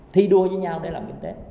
thi đua với nhau để làm kinh tế